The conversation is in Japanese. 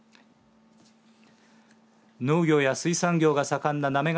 農業や水産業が盛んな行方